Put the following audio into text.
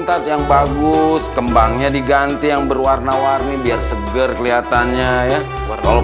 ketat yang bagus kembangnya diganti yang berwarna warni biar seger kelihatannya ya